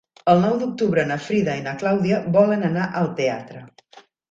El nou d'octubre na Frida i na Clàudia volen anar al teatre.